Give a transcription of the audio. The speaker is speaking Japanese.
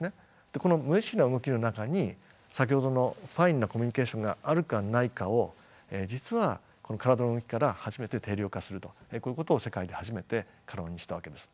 この無意識な動きの中に先ほどのＦＩＮＥなコミュニケーションがあるかないかを実はこの体の動きから初めて定量化するとこういうことを世界で初めて可能にしたわけです。